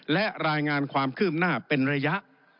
และรายงานความคืบหน้าเป็นระยะ